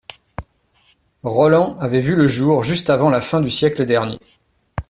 Roland avait vu le jour juste avant la fin du siècle dernier.